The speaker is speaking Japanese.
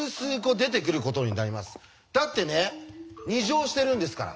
だってね２乗してるんですから。